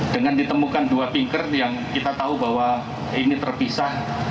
dengan ditemukan dua pinker yang kita tahu bahwa ini terpisah